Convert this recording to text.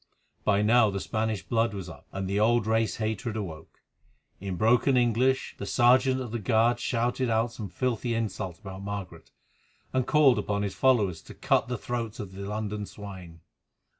By now the Spanish blood was up, and the old race hatred awake. In broken English the sergeant of the guard shouted out some filthy insult about Margaret, and called upon his followers to "cut the throats of the London swine."